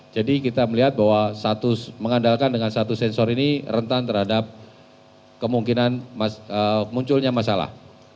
jadi kita melihat bahwa mengandalkan dengan satu sensor ini rentan terhadap kemungkinan munculnya masalah